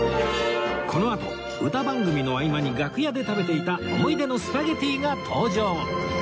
このあと歌番組の合間に楽屋で食べていた思い出のスパゲティが登場